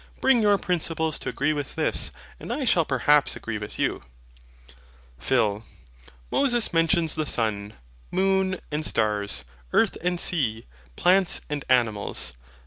Bring your principles to agree with this, and I shall perhaps agree with you. PHIL. Moses mentions the sun, moon, and stars, earth and sea, plants and animals.